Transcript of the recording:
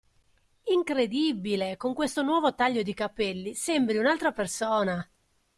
Incredibile! Con questo nuovo taglio di capelli sembri un'altra persona!